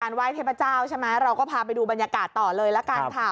ไหว้เทพเจ้าใช่ไหมเราก็พาไปดูบรรยากาศต่อเลยละกันค่ะ